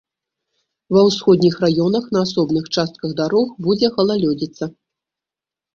Ва ўсходніх раёнах на асобных частках дарог будзе галалёдзіца.